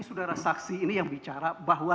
saudara saksi ini yang bicara bahwa